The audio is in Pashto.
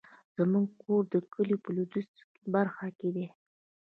زمونږ کور د کلي په لويديځه برخه کې ده